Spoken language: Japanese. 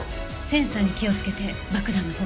センサーに気をつけて爆弾の方へ。